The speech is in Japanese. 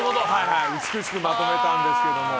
美しくまとめたんですけど。